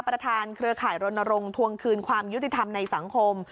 เครือข่ายรณรงค์ทวงคืนความยุติธรรมในสังคม